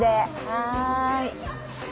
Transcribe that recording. はい。